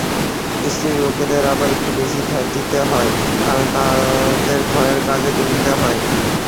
স্ত্রীলোকদের আবার একটু বেশী খাটিতে হয়, কারণ তাহাদের ঘরের কাজও করিতে হয়।